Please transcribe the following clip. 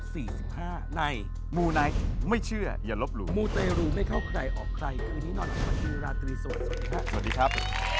สวัสดีครับ